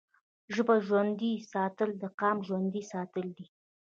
ژبه ژوندی ساتل د قام ژوندی ساتل دي.